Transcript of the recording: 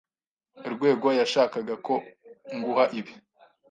Rwego yashakaga ko nguha ibi.